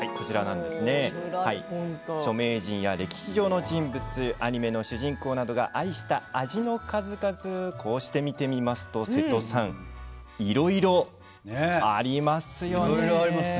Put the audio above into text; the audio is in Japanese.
著名人や歴史上の人物アニメの主人公などが愛した味の数々こうして見てみますと瀬戸さん、いろいろありますよね。